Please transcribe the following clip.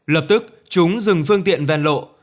lập tức chúng dừng phương tiện ven lộ